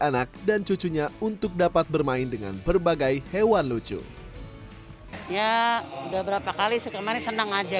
anak dan cucunya untuk dapat bermain dengan berbagai hewan lucu ya udah berapa kali sih kemarin senang aja